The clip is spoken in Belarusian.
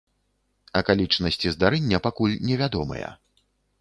Акалічнасці здарэння пакуль не вядомыя.